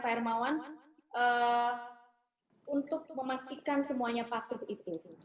pak hermawan untuk memastikan semuanya patuh itu